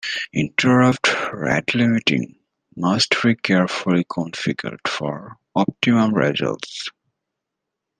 Interrupt rate limiting must be carefully configured for optimum results.